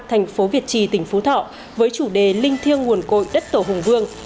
thành phố việt trì tỉnh phú thọ với chủ đề linh thiêng nguồn cội đất tổ hùng vương